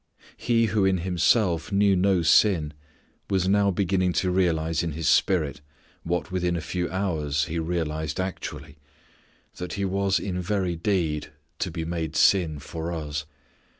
He who in Himself knew no sin was now beginning to realize in His spirit what within a few hours He realized actually, that He was in very deed to be made sin for us.